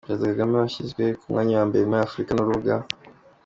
Perezida Kagame, washyizwe ku mwanya wa mbere muri Afurika n’urubuga www.